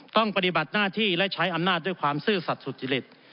ปฏิบัติหน้าที่และใช้อำนาจด้วยความซื่อสัตว์สุจริต